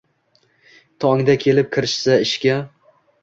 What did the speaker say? Tongda kelib, kirishsa ishga